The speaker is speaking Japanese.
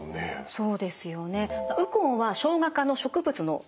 そうですよね。